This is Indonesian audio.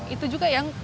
itu juga yang dikawasi